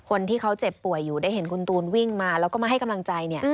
คนที่เขาเจ็บป่วยอยู่ได้เห็นคุณตูนวิ่งมาแล้วก็มาให้กำลังใจ